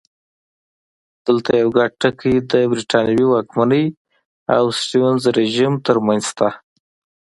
دلته یو ګډ ټکی د برېټانوي واکمنۍ او سټیونز رژیم ترمنځ شته.